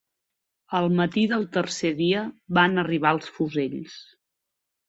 El matí del tercer dia van arribar els fusells.